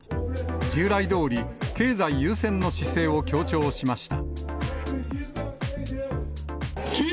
従来どおり、経済優先の姿勢を強調しました。